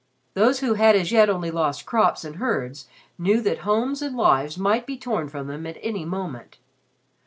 Those who had as yet only lost crops and herds knew that homes and lives might be torn from them at any moment.